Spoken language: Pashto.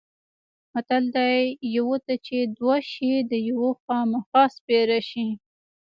متل دی: یوه ته چې دوه شي د یوه خوامخا سپېره شي.